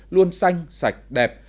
luôn xanh sạch đẹp